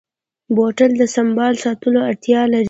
بوتل د سنبال ساتلو اړتیا لري.